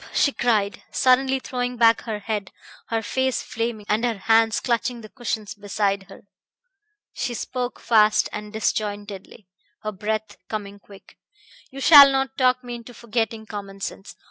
she cried, suddenly throwing back her head, her face flaming and her hands clutching the cushions beside her. She spoke fast and disjointedly, her breath coming quick. "You shall not talk me into forgetting common sense.